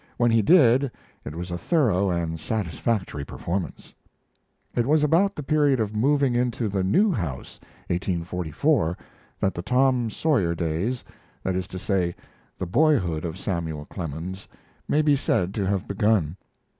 When he did, it was a thorough and satisfactory performance. It was about the period of moving into the new house (1844) that the Tom Sawyer days that is to say, the boyhood of Samuel Clemens may be said to have begun.